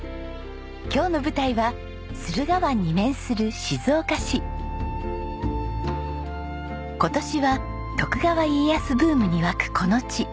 今日の舞台は駿河湾に面する今年は徳川家康ブームに沸くこの地。